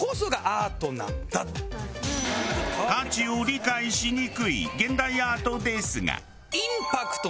価値を理解しにくい現代アートですが。